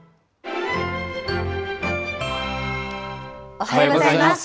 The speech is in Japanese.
おはようございます。